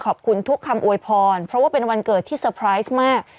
ขอบคุณทุกคำอวยพรเพราะว่าเป็นวันเกิดที่เซอร์ไพรส์มาก